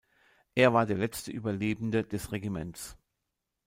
Er war der letzte Überlebende des Regiments.